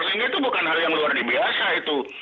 sehingga itu bukan hal yang luar biasa itu